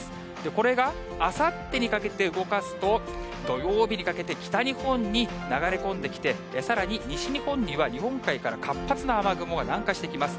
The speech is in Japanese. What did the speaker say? これがあさってにかけて動かすと、土曜日にかけて、北日本に流れ込んできて、さらに西日本には、日本海から活発な雨雲が南下してきます。